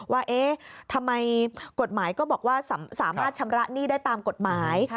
ว่าเอ๊ะทำไมกฎหมายก็บอกว่าสามารถชำระหนี้ได้ตามกฎหมาย